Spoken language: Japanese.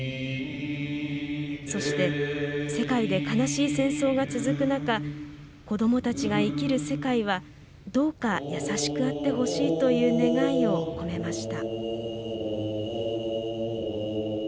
そして世界で悲しい戦争が続く中子どもたちが生きる世界はどうか優しくあってほしいという願いを込めました。